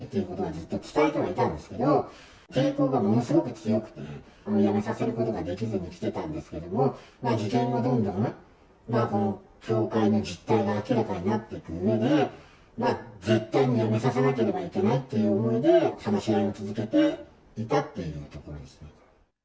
前からやめてほしいっていうことはずっと伝えてはいたんですけど、抵抗がものすごく強くて、やめさせることができずにきてたんですけど、事件後、どんどん教会の実態が明らかになっていくうえで、絶対にやめさせなければいけないという思いで、話し合いを続けていたっていうところですね。